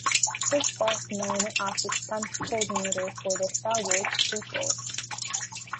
He is best known as the stunt coordinator for the "Star Wars" prequels.